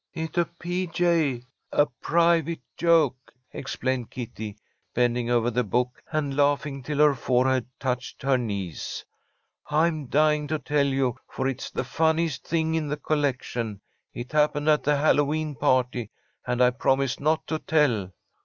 "It a p. j. A private joke," explained Kitty, bending over the book and laughing till her forehead touched her knees. "I'm dying to tell you, for it's the funniest thing in the collection. It happened at the Hallowe'en party, and I promised not to tell."